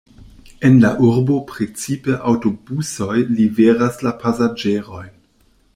En la urbo precipe aŭtobusoj liveras la pasaĝerojn.